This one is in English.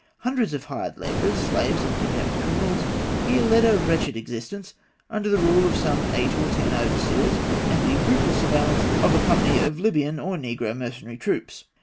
Hundreds of hired labourers, slaves, and condemned criminals here led a wretched existence under the rule of some eight or ten overseers, and the brutal surveillance of a company of Libyan or negro mercenary troops.